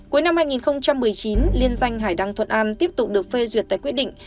cuối năm hai nghìn một mươi chín liên danh hải đăng thuận an tiếp tục được phê duyệt tại quyết định